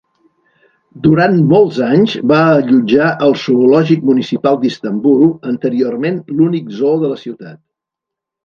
Durant molts anys va allotjar el zoològic municipal d'Istanbul, anteriorment l'únic zoo de la ciutat.